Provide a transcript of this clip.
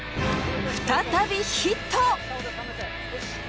再びヒット！